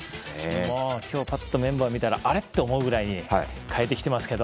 今日、ぱっとメンバーを見たらあれ？と思うぐらい変えてきてますけど。